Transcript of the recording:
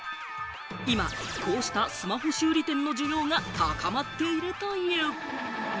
今、こうしたスマホ修理店の需要が高まっているという。